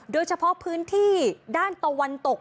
โดยเฉพาะพื้นที่ด้านตะวันตก